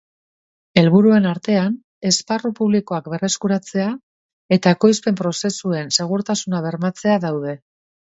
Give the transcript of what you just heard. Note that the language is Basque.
Helburuen artean, esparru publikoak berreskuratzea eta ekoizpen-prozesuen segurtasuna bermatzea daude.